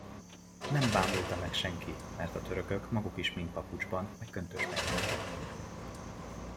Nem bámulta meg senki, mert a törökök maguk is mind papucsban meg köntösben jártak.